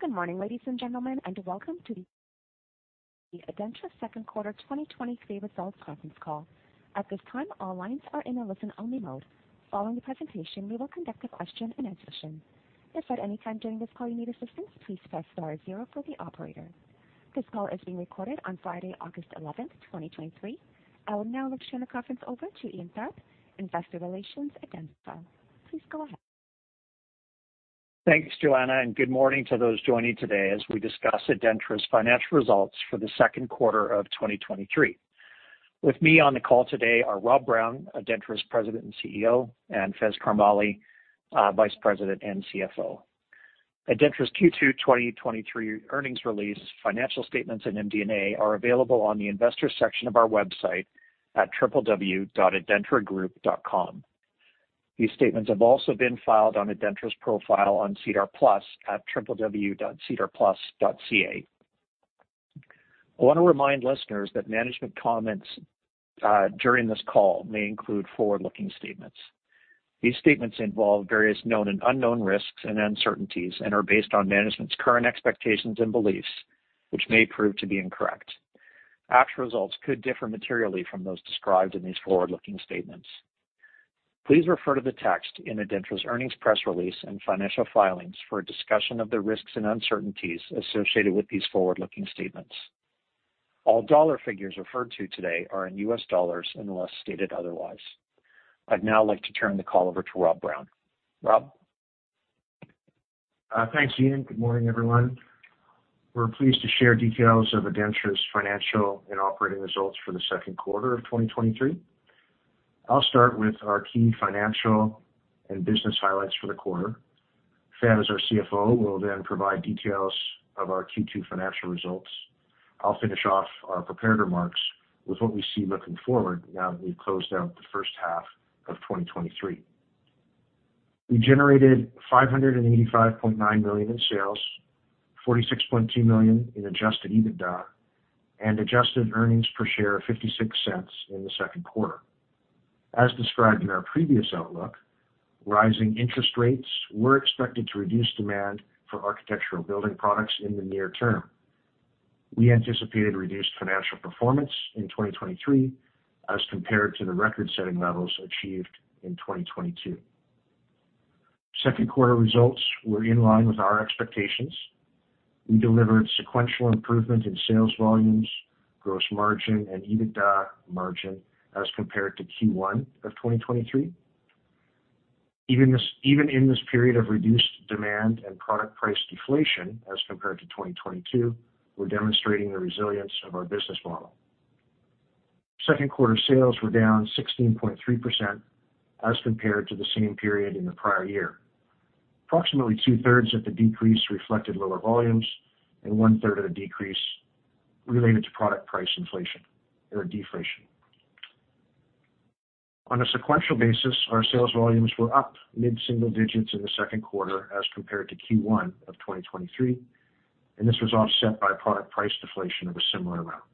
Good morning, ladies and gentlemen, and welcome to the ADENTRA second quarter 2023 results conference call. At this time, all lines are in a listen-only mode. Following the presentation, we will conduct a question-and-answer session. If at any time during this call you need assistance, please press star zero for the operator. This call is being recorded on Friday, August 11th, 2023. I will now turn the conference over to Ian Tharp, Investor Relations, ADENTRA. Please go ahead. Thanks, Joanna. Good morning to those joining today as we discuss Adentra's financial results for the second quarter of 2023. With me on the call today are Rob Brown, Adentra's President and CEO, and Faiz Karmally, Vice President and CFO. Adentra's Q2 2023 earnings release, financial statements, and MD&A are available on the investors section of our website at www.adentragroup.com. These statements have also been filed on Adentra's profile on SEDAR+ at www.sedarplus.ca. I want to remind listeners that management comments during this call may include forward-looking statements. These statements involve various known and unknown risks and uncertainties and are based on management's current expectations and beliefs, which may prove to be incorrect. Actual results could differ materially from those described in these forward-looking statements. Please refer to the text in Adentra's earnings press release and financial filings for a discussion of the risks and uncertainties associated with these forward-looking statements. All dollar figures referred to today are in US dollars unless stated otherwise. I'd now like to turn the call over to Rob Brown. Rob? Thanks, Ian. Good morning, everyone. We're pleased to share details of ADENTRA's financial and operating results for the second quarter of 2023. I'll start with our key financial and business highlights for the quarter. Faiz, as our CFO, will then provide details of our Q2 financial results. I'll finish off our prepared remarks with what we see looking forward now that we've closed out the first half of 2023. We generated $585.9 million in sales, $46.2 million in Adjusted EBITDA, and Adjusted earnings per share of $0.56 in the second quarter. As described in our previous outlook, rising interest rates were expected to reduce demand for architectural building products in the near term. We anticipated reduced financial performance in 2023 as compared to the record-setting levels achieved in 2022. Second quarter results were in line with our expectations. We delivered sequential improvement in sales volumes, gross margin, and EBITDA margin as compared to Q1 of 2023. Even in this period of reduced demand and product price deflation as compared to 2022, we're demonstrating the resilience of our business model. Second quarter sales were down 16.3% as compared to the same period in the prior year. Approximately two-thirds of the decrease reflected lower volumes and one-third of the decrease related to product price inflation or deflation. On a sequential basis, our sales volumes were up mid-single digits in the second quarter as compared to Q1 of 2023, and this was offset by product price deflation of a similar amount.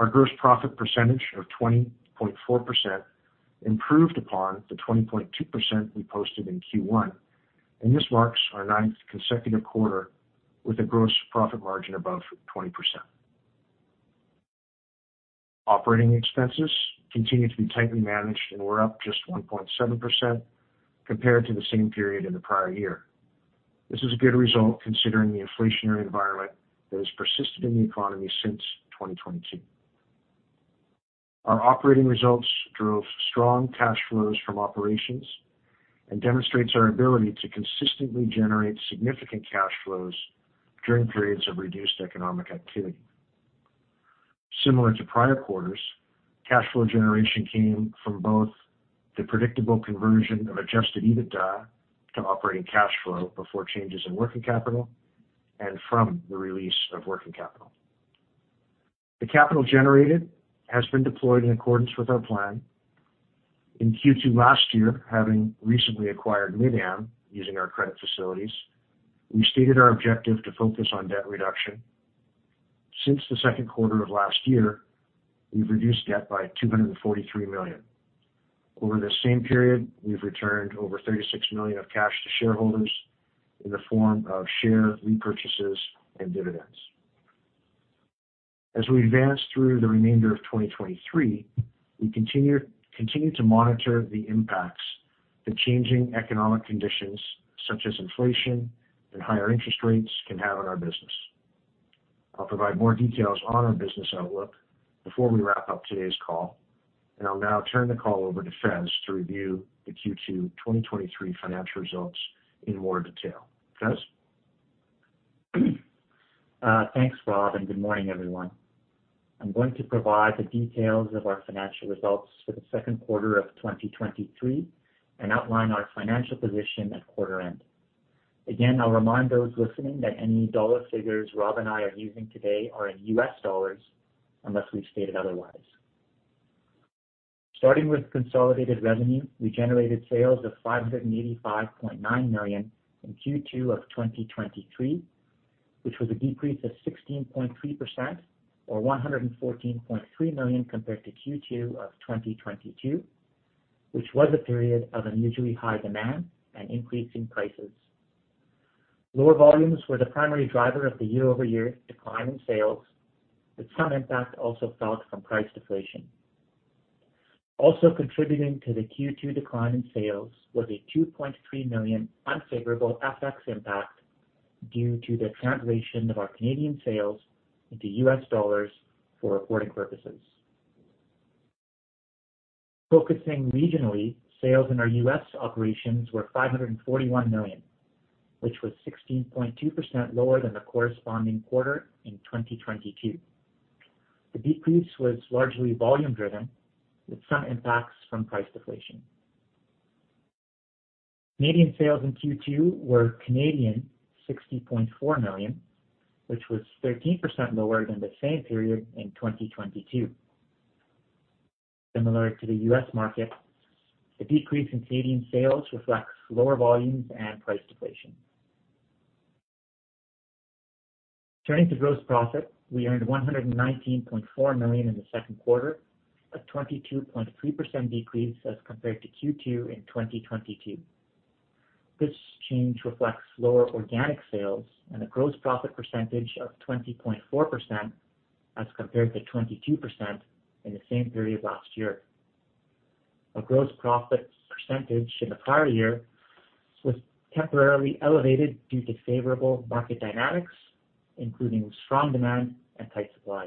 Our gross profit percentage of 20.4% improved upon the 20.2% we posted in Q1. This marks our ninth consecutive quarter with a gross profit margin above 20%. Operating expenses continued to be tightly managed and were up just 1.7% compared to the same period in the prior year. This is a good result considering the inflationary environment that has persisted in the economy since 2022. Our operating results drove strong cash flows from operations and demonstrates our ability to consistently generate significant cash flows during periods of reduced economic activity. Similar to prior quarters, cash flow generation came from both the predictable conversion of Adjusted EBITDA to operating cash flow before changes in working capital and from the release of working capital. The capital generated has been deployed in accordance with our plan. In Q2 last year, having recently acquired Mid-Am, using our credit facilities, we stated our objective to focus on debt reduction. Since the second quarter of last year, we've reduced debt by $243 million. Over the same period, we've returned over $36 million of cash to shareholders in the form of share repurchases and dividends. As we advance through the remainder of 2023, we continue, continue to monitor the impacts the changing economic conditions, such as inflation and higher interest rates, can have on our business. I'll provide more details on our business outlook before we wrap up today's call, and I'll now turn the call over to Faiz to review the Q2 2023 financial results in more detail. Faiz? Thanks, Rob, and good morning, everyone. I'm going to provide the details of our financial results for the second quarter of 2023 and outline our financial position at quarter end. Again, I'll remind those listening that any dollar figures Rob and I are using today are in U.S. dollars unless we've stated otherwise. Starting with consolidated revenue, we generated sales of $585.9 million in Q2 of 2023, which was a decrease of 16.3% or $114.3 million compared to Q2 of 2022, which was a period of unusually high demand and increasing prices. Lower volumes were the primary driver of the year-over-year decline in sales, with some impact also felt from price deflation. Contributing to the Q2 decline in sales was a $2.3 million unfavorable FX impact due to the translation of our Canadian sales into U.S. dollars for reporting purposes. Focusing regionally, sales in our U.S. operations were $541 million, which was 16.2% lower than the corresponding quarter in 2022. The decrease was largely volume-driven, with some impacts from price deflation. Canadian sales in Q2 were 60.4 million, which was 13% lower than the same period in 2022. Similar to the U.S. market, the decrease in Canadian sales reflects lower volumes and price deflation. Turning to gross profit, we earned $119.4 million in the second quarter, a 22.3% decrease as compared to Q2 in 2022. This change reflects lower organic sales and a gross profit percentage of 20.4% as compared to 22% in the same period last year. Our gross profit percentage in the prior year was temporarily elevated due to favorable market dynamics, including strong demand and tight supply.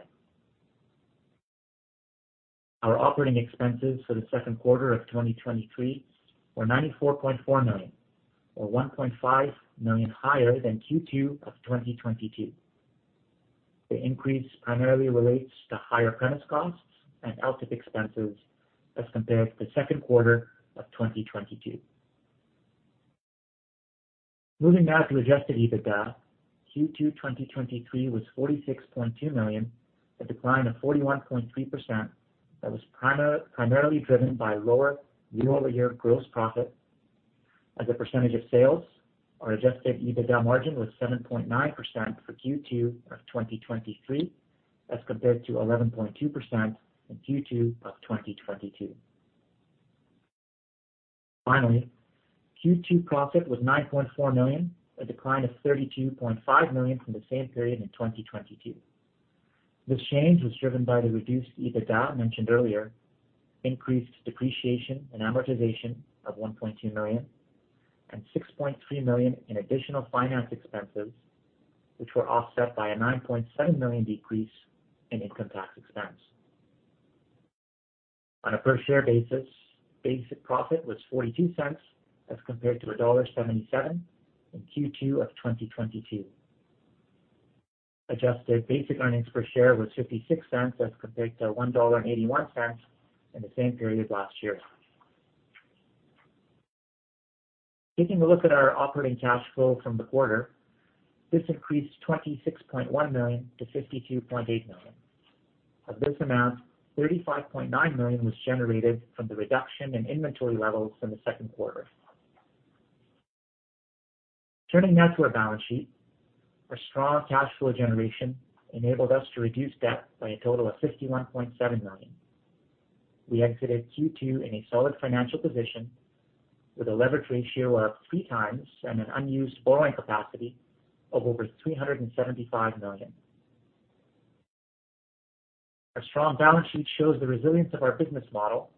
Our operating expenses for the second quarter of 2023 were $94.4 million, or $1.5 million higher than Q2 of 2022. The increase primarily relates to higher premise costs and outfit expenses as compared to the second quarter of 2022. Moving now to Adjusted EBITDA. Q2 2023 was $46.2 million, a decline of 41.3% that was primarily driven by lower year-over-year gross profit. As a percentage of sales, our Adjusted EBITDA margin was 7.9% for Q2 of 2023, as compared to 11.2% in Q2 of 2022. Q2 profit was $9.4 million, a decline of $32.5 million from the same period in 2022. This change was driven by the reduced EBITDA mentioned earlier, increased depreciation and amortization of $1.2 million, and $6.3 million in additional finance expenses, which were offset by a $9.7 million decrease in income tax expense. On a per-share basis, basic profit was $0.42, as compared to $1.77 in Q2 of 2022. Adjusted basic earnings per share was $0.56, as compared to $1.81 in the same period last year. Taking a look at our operating cash flow from the quarter, this increased $26.1 million to $52.8 million. Of this amount, $35.9 million was generated from the reduction in inventory levels in the second quarter. Turning now to our balance sheet. Our strong cash flow generation enabled us to reduce debt by a total of $61.7 million. We exited Q2 in a solid financial position with a leverage ratio of 3x and an unused borrowing capacity of over $375 million. Our strong balance sheet shows the resilience of our business model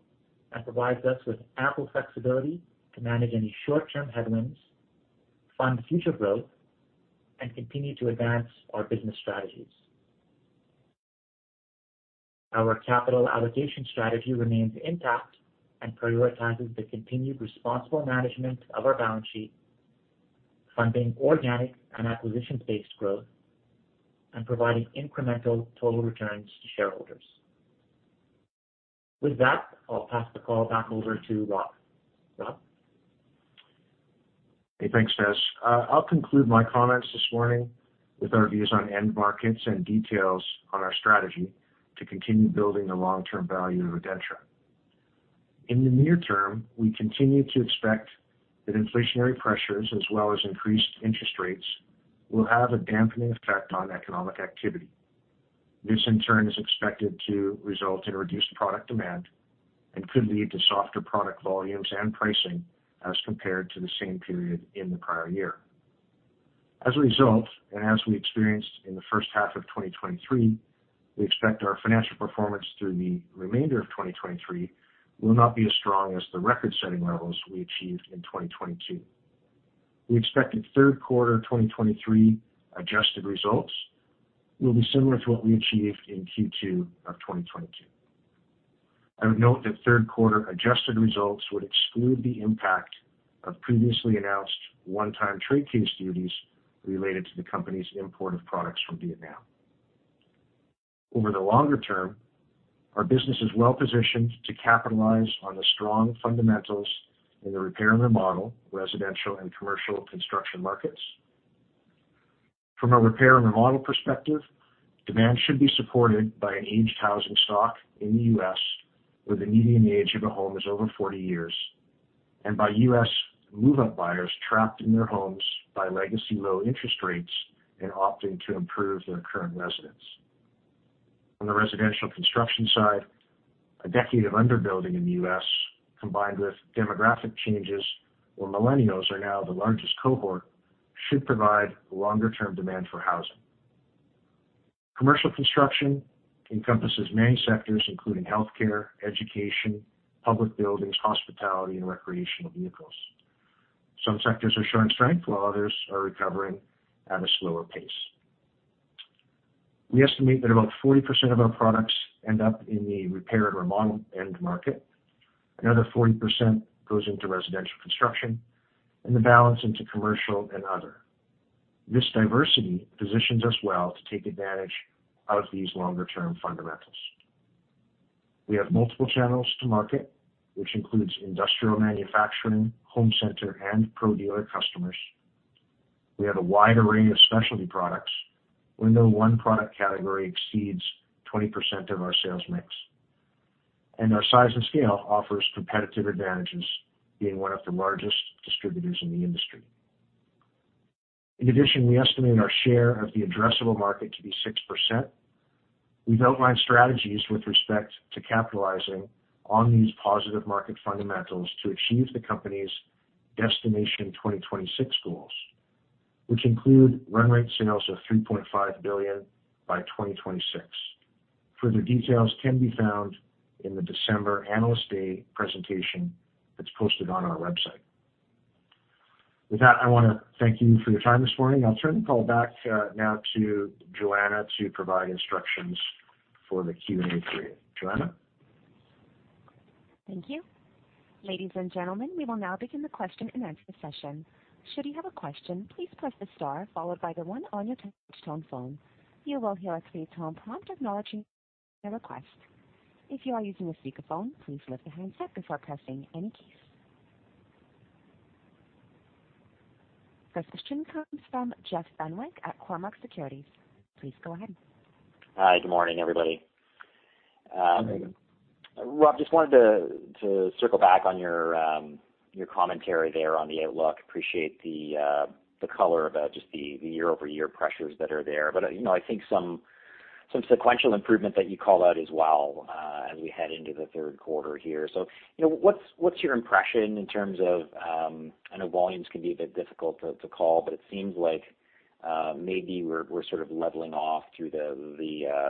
and provides us with ample flexibility to manage any short-term headwinds, fund future growth, and continue to advance our business strategies. Our capital allocation strategy remains intact and prioritizes the continued responsible management of our balance sheet, funding organic and acquisition-based growth, and providing incremental total returns to shareholders. With that, I'll pass the call back over to Rob. Rob? Hey, thanks, Faiz. I'll conclude my comments this morning with our views on end markets and details on our strategy to continue building the long-term value of Adentra. In the near term, we continue to expect that inflationary pressures, as well as increased interest rates, will have a dampening effect on economic activity. This, in turn, is expected to result in reduced product demand and could lead to softer product volumes and pricing as compared to the same period in the prior year. As a result, and as we experienced in the first half of 2023, we expect our financial performance through the remainder of 2023 will not be as strong as the record-setting levels we achieved in 2022. We expect in third quarter 2023 adjusted results will be similar to what we achieved in Q2 of 2022. I would note that third quarter adjusted results would exclude the impact of previously announced one-time trade case duties related to the company's import of products from Vietnam. Over the longer term, our business is well positioned to capitalize on the strong fundamentals in the repair and remodel, residential and commercial construction markets. From a repair and remodel perspective, demand should be supported by an aged housing stock in the US, where the median age of a home is over 40 years. By US move-up buyers trapped in their homes by legacy low interest rates and opting to improve their current residence. On the residential construction side, a decade of underbuilding in the US, combined with demographic changes, where millennials are now the largest cohort, should provide longer-term demand for housing. Commercial construction encompasses many sectors, including healthcare, education, public buildings, hospitality, and recreational vehicles. Some sectors are showing strength, while others are recovering at a slower pace. We estimate that about 40% of our products end up in the repair and remodel end market, another 40% goes into residential construction, and the balance into commercial and other. This diversity positions us well to take advantage of these longer-term fundamentals. We have multiple channels to market, which includes industrial manufacturing, home center, and pro dealer customers. We have a wide array of specialty products. Window one product category exceeds 20% of our sales mix, and our size and scale offers competitive advantages, being one of the largest distributors in the industry. In addition, we estimate our share of the addressable market to be 6%. We've outlined strategies with respect to capitalizing on these positive market fundamentals to achieve the company's Destination 2026 goals, which include run rate sales of $3.5 billion by 2026. Further details can be found in the December Analyst Day presentation that's posted on our website. With that, I want to thank you for your time this morning. I'll turn the call back now to Joanna to provide instructions for the Q&A period. Joanna? Thank you. Ladies and gentlemen, we will now begin the question and answer session. Should you have a question, please press the star followed by the one on your touchtone phone. You will hear a three-tone prompt acknowledging your request. If you are using a speakerphone, please lift the handset before pressing any keys. First question comes from Jeff Fenwick at Cormark Securities. Please go ahead. Hi, good morning, everybody. Good morning. Rob, just wanted to, to circle back on your commentary there on the outlook. Appreciate the color about just the year-over-year pressures that are there. You know, I think some, some sequential improvement that you call out as well, as we head into the third quarter here. You know, what's, what's your impression in terms of, I know volumes can be a bit difficult to, to call, but it seems like maybe we're, we're sort of leveling off through the,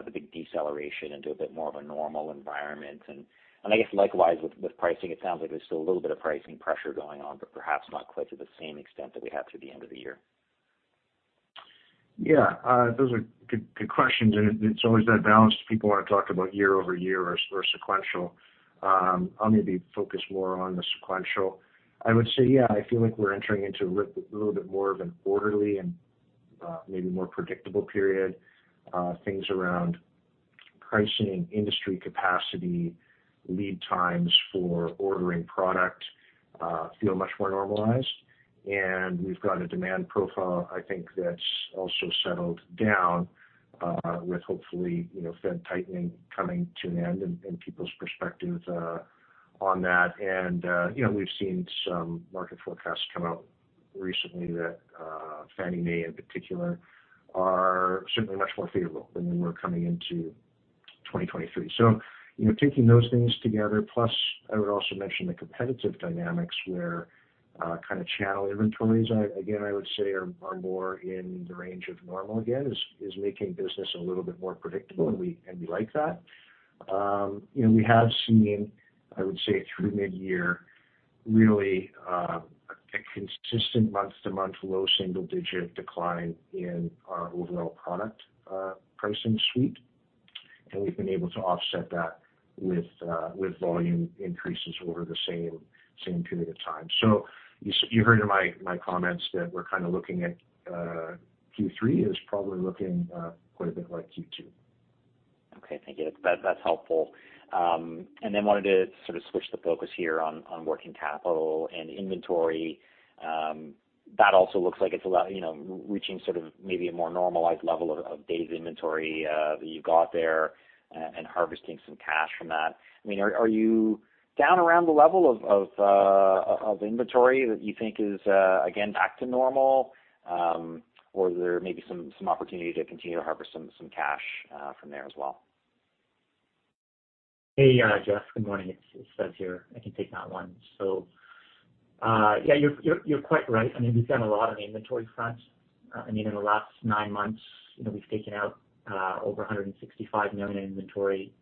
the big deceleration into a bit more of a normal environment. I guess likewise with, with pricing, it sounds like there's still a little bit of pricing pressure going on, but perhaps not quite to the same extent that we had through the end of the year. Yeah, those are good, good questions, and it, it's always that balance. People want to talk about year-over-year or, or sequential. I'll maybe focus more on the sequential. I would say, yeah, I feel like we're entering into a little bit more of an orderly and maybe more predictable period. Things around pricing, industry capacity, lead times for ordering product, feel much more normalized. We've got a demand profile, I think, that's also settled down with hopefully, you know, Fed tightening coming to an end and people's perspectives on that. You know, we've seen some market forecasts come out recently that Fannie Mae in particular, are simply much more favorable than they were coming into 2023. You know, taking those things together, plus I would also mention the competitive dynamics where, kind of channel inventories, I, again, I would say are, are more in the range of normal again, is, is making business a little bit more predictable, and we, and we like that. You know, we have seen, I would say, through midyear, really, a consistent month-to-month low single-digit decline in our overall product, pricing suite, and we've been able to offset that with, with volume increases over the same, same period of time. You s- you heard in my, my comments that we're kind of looking at, Q3 as probably looking quite a bit like Q2. Okay. Thank you. That, that's helpful. Then wanted to sort of switch the focus here on, on working capital and inventory. That also looks like it's a lot, you know, reaching sort of maybe a more normalized level of, of days inventory, that you've got there and, and harvesting some cash from that. I mean, are, are you down around the level of, of, of inventory that you think is, again, back to normal, or there may be some, some opportunity to continue to harvest some, some cash, from there as well? Hey, Jeff, good morning. It's, it's Faiz here. I can take that one. Yeah, you're, you're, you're quite right. I mean, we've done a lot on the inventory front. I mean, in the last nine months, you know, we've taken out over $165 million in inventory.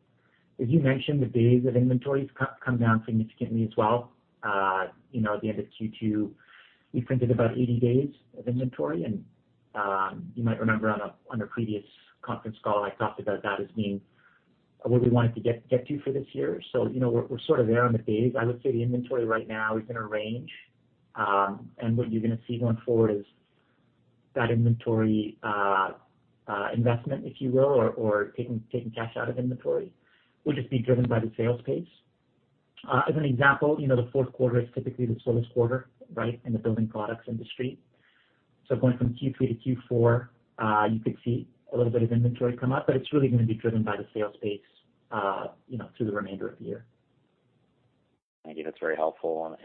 As you mentioned, the days of inventory has come, come down significantly as well. You know, at the end of Q2, we printed about 80 days of inventory, and you might remember on a, on a previous conference call, I talked about that as being where we wanted to get, get to for this year. You know, we're, we're sort of there on the days. I would say the inventory right now is in a range, and what you're gonna see going forward is that inventory investment, if you will, or, or taking, taking cash out of inventory, will just be driven by the sales pace. As an example, you know, the fourth quarter is typically the slowest quarter, right, in the building products industry. Going from Q3 to Q4, you could see a little bit of inventory come up, but it's really going to be driven by the sales pace, you know, through the remainder of the year. Thank you. That's very helpful.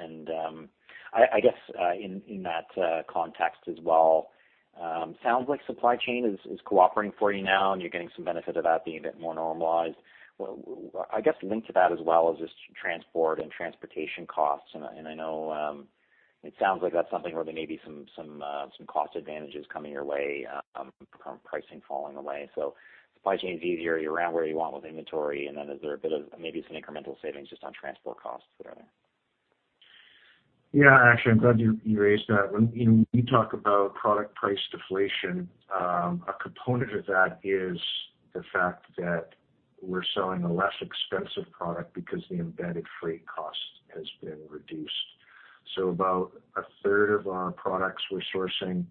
I, I guess, in that context as well, sounds like supply chain is cooperating for you now, and you're getting some benefit of that being a bit more normalized. I guess, linked to that as well is just transport and transportation costs. I, and I know, it sounds like that's something where there may be some, some, some cost advantages coming your way from pricing falling away. Supply chain is easier. You're around where you want with inventory, and then is there a bit of maybe some incremental savings just on transport costs that are there? Yeah, actually, I'm glad you, you raised that. When, you know, when you talk about product price deflation, a component of that is the fact that we're selling a less expensive product because the embedded freight cost has been reduced. About a third of our products we're sourcing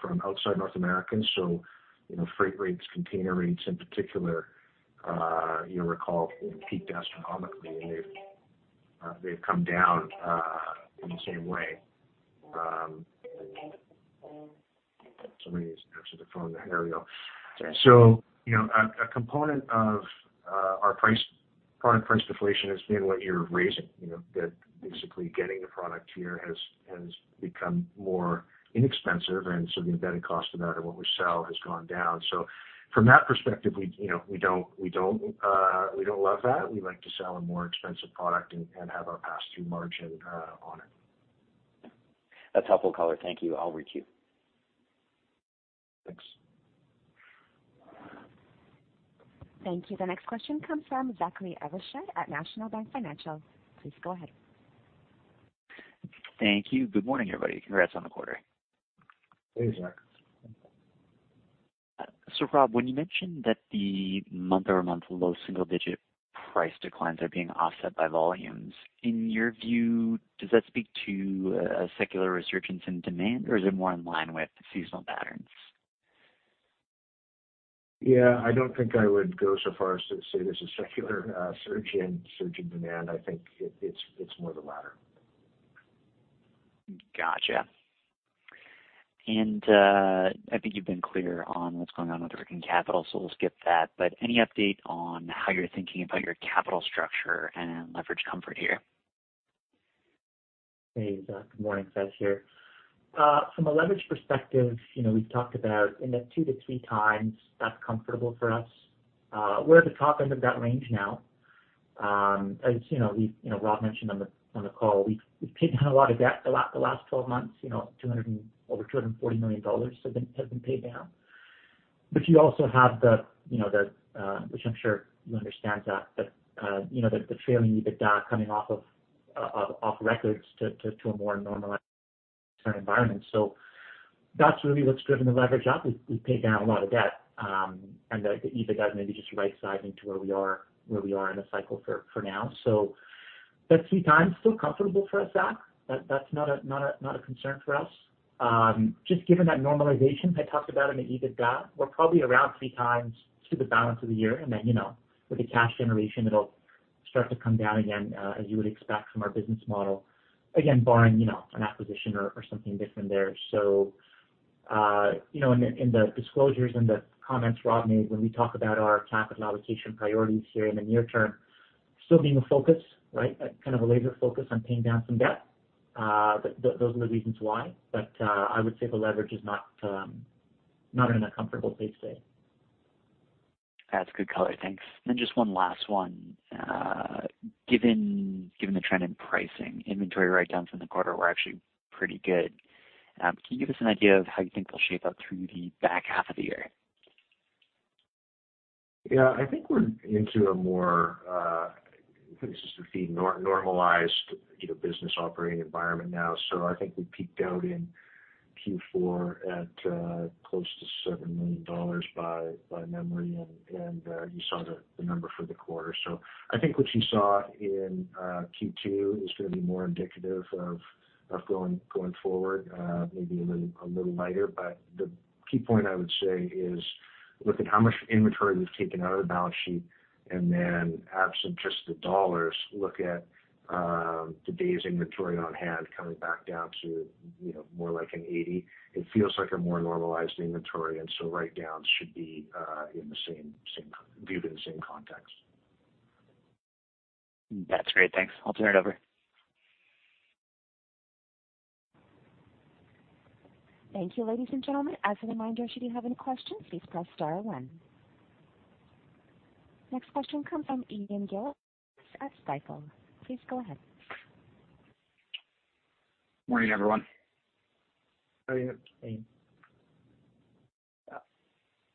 from outside North America. You know, freight rates, container rates in particular, you'll recall, it peaked astronomically, and they've, they've come down, in the same way. Somebody just answered the phone, there we go. You know, a, a component of our price, product price deflation is maybe what you're raising, you know, that basically getting the product here has, has become more inexpensive, and so the embedded cost of that and what we sell has gone down. From that perspective, we, you know, we don't, we don't, we don't love that. We like to sell a more expensive product and have our pass-through margin, on it. That's helpful color. Thank you. I'll requeue. Thanks. Thank you. The next question comes from Zachary Evershed at National Bank Financial. Please go ahead. Thank you. Good morning, everybody. Congrats on the quarter. Thanks, Zach. Rob, when you mentioned that the month-over-month, low single-digit price declines are being offset by volumes, in your view, does that speak to a, a secular resurgence in demand, or is it more in line with seasonal patterns? Yeah, I don't think I would go so far as to say there's a secular, surge in, surge in demand. I think it, it's, it's more the latter. Gotcha. I think you've been clear on what's going on with the working capital, so we'll skip that. Any update on how you're thinking about your capital structure and leverage comfort here? Hey, Zach, good morning. Faiz here. From a leverage perspective, you know, we've talked about in the two to three times, that's comfortable for us. We're at the top end of that range now. As you know, we've You know, Rob mentioned on the call, we've paid down a lot of debt the last 12 months, you know, $240 million have been paid down. You also have the, you know, the, which I'm sure you understand, Zach, but, you know, the trailing EBITDA coming off of records to a more normalized environment. That's really what's driven the leverage up. We've, we've paid down a lot of debt, the, the EBITDA is maybe just right-sizing to where we are, where we are in the cycle for, for now. That three times, still comfortable for us, Zach. That, that's not a, not a, not a concern for us. Just given that normalization I talked about in the EBITDA, we're probably around three times through the balance of the year, then, you know, with the cash generation, it'll start to come down again, as you would expect from our business model. Again, barring, you know, an acquisition or, or something different there. you know, in the, in the disclosures and the comments Rob made, when we talk about our capital allocation priorities here in the near term, still being a focus, right? kind of a laser focus on paying down some debt. Those are the reasons why, but I would say the leverage is not, not in an uncomfortable place today. That's good color. Thanks. Just one last one. Given, given the trend in pricing, inventory write-downs in the quarter were actually pretty good. Can you give us an idea of how you think they'll shape up through the back half of the year? Yeah, I think we're into a more, this is the normalized, you know, business operating environment now. I think we peaked out in Q4 at close to $7 million, by memory, and you saw the number for the quarter. I think what you saw in Q2 is going to be more indicative of going forward, maybe a little lighter. The key point I would say is, look at how much inventory we've taken out of the balance sheet, and then absent just the dollars, look at the days inventory on hand coming back down to, you know, more like an 80. It feels like a more normalized inventory, and so write-downs should be in the same, same, viewed in the same context. That's great. Thanks. I'll turn it over. Thank you, ladies and gentlemen. As a reminder, should you have any questions, please press star one. Next question comes from Ian Gillies at Stifel. Please go ahead. Morning, everyone. How are you, Ian?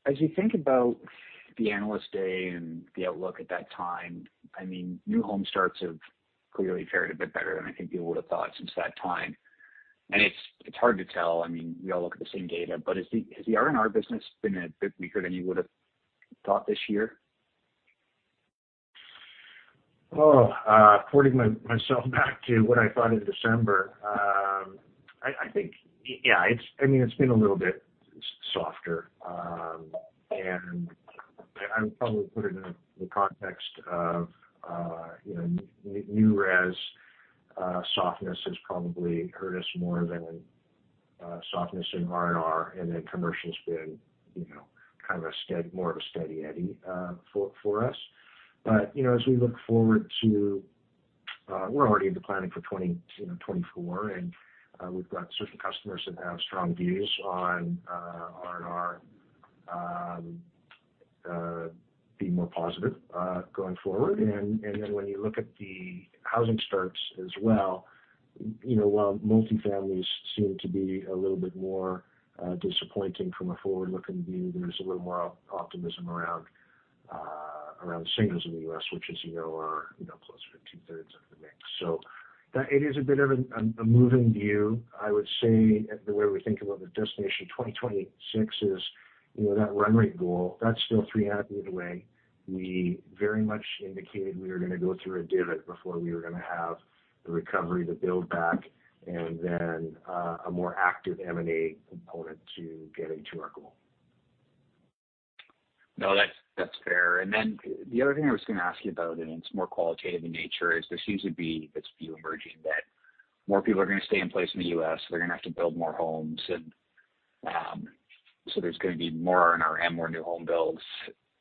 As you think about the Analyst Day and the outlook at that time, I mean, new home starts have clearly fared a bit better than I think people would have thought since that time. It's hard to tell, I mean, we all look at the same data, but has the R&R business been a bit weaker than you would have thought this year? Oh, porting myself back to what I thought in December, I, I think, yeah, it's, I mean, it's been a little bit softer. I would probably put it in the context of, you know, new res softness has probably hurt us more than softness in R&R, and then commercial's been, you know, kind of a more of a steady eddy for us. You know, as we look forward to, we're already into planning for 2024, and we've got certain customers that have strong views on R&R being more positive going forward. Then when you look at the housing starts as well, you know, while multi-families seem to be a little bit more disappointing from a forward-looking view, there's a little more optimism around singles in the US, which, as you know, are, you know, close to two-thirds of the mix. It is a bit of a moving view. I would say the way we think about the Destination 2026 is, you know, that run rate goal, that's still 3.5 years away. We very much indicated we were gonna go through a divot before we were gonna have the recovery, the buildback, and then a more active M&A component to getting to our goal. No, that's, that's fair. Then the other thing I was gonna ask you about, and it's more qualitative in nature, is there seems to be this view emerging that more people are gonna stay in place in the US, so we're gonna have to build more homes, and, so there's gonna be more R&R and more new home builds.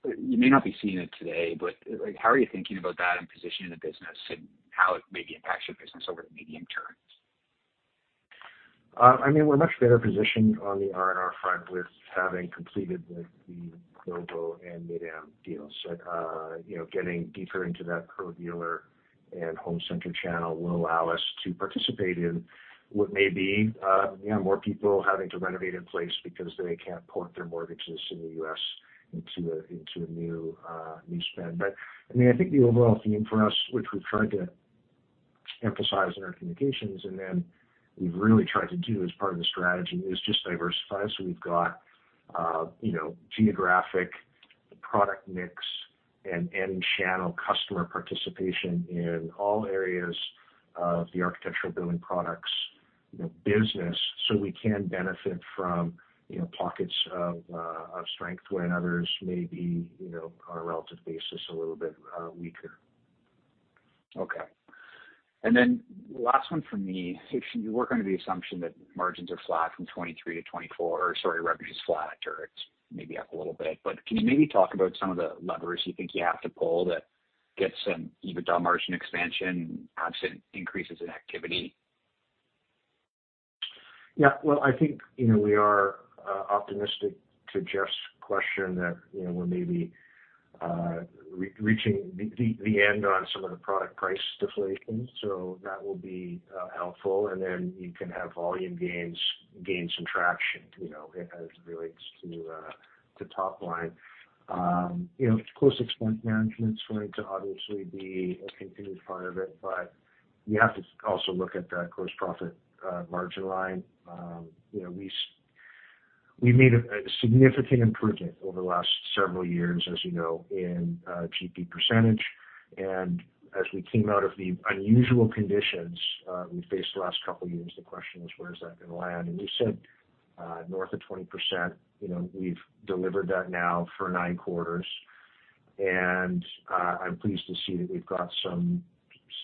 You may not be seeing it today, but, like, how are you thinking about that and positioning the business and how it may impact your business over the medium term? I mean, we're much better positioned on the R&R front with having completed the, the Novo and Mid-Am deals. You know, getting deeper into that pro dealer and home center channel will allow us to participate in what may be, you know, more people having to renovate in place because they can't port their mortgages in the US into a, into a new, new spend. I mean, I think the overall theme for us, which we've tried to emphasize in our communications, and then we've really tried to do as part of the strategy, is just diversify. We've got, you know, geographic product mix and end channel customer participation in all areas of the architectural building products, you know, business, so we can benefit from, you know, pockets of, of strength when others may be, you know, on a relative basis, a little bit, weaker. Okay. Then last one from me. You work under the assumption that margins are flat from 2023 to 2024, or sorry, revenue is flat, or it's maybe up a little bit. Can you maybe talk about some of the levers you think you have to pull that get some EBITDA margin expansion absent increases in activity? Yeah. Well, I think, you know, we are optimistic to Jeff's question that, you know, we're maybe re-reaching the, the, the end on some of the product price deflation, so that will be helpful. You can have volume gains gain some traction, you know, as it relates to top line. You know, close expense management is going to obviously be a continued part of it, but you have to also look at that gross profit margin line. You know, we've made a significant improvement over the last several years, as you know, in GP percentage. As we came out of the unusual conditions, we faced the last couple of years, the question was: Where is that gonna land? We said, north of 20%. You know, we've delivered that now for nine quarters, and I'm pleased to see that we've got some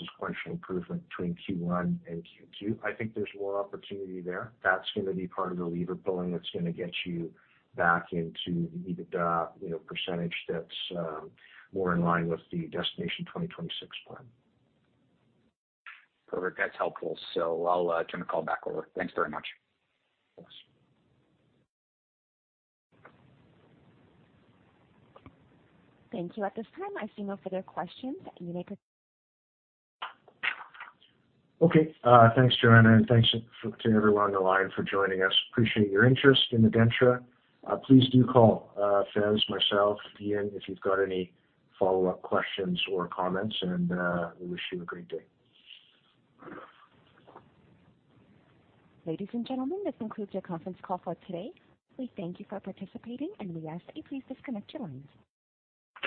sequential improvement between Q1 and Q2. I think there's more opportunity there. That's gonna be part of the lever pulling that's gonna get you back into the EBITDA, you know, % that's more in line with the Destination 2026 plan. Perfect. That's helpful. I'll turn the call back over. Thanks very much. Thanks. Thank you. At this time, I see no further questions. You may press- Okay, thanks, Joanna, and thanks for- to everyone on the line for joining us. Appreciate your interest in Adentra. Please do call Faiz, myself, Ian, if you've got any follow-up questions or comments, and we wish you a great day. Ladies and gentlemen, this concludes your conference call for today. We thank you for participating, and we ask that you please disconnect your lines.